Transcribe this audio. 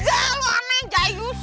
enggak lu aneh jayus